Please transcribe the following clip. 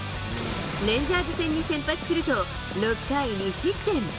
レンジャーズ戦に先発すると、６回２失点。